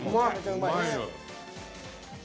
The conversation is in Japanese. うまいよ。